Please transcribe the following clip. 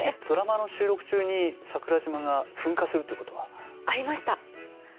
ドラマの収録中に桜島が噴火するということは？ありました！